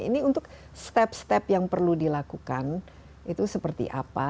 ini untuk step step yang perlu dilakukan itu seperti apa